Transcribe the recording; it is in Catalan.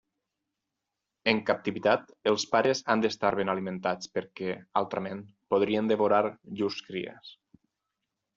En captivitat, els pares han d'estar ben alimentats perquè, altrament, podrien devorar llurs cries.